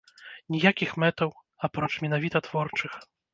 Ніякіх мэтаў, апроч менавіта творчых.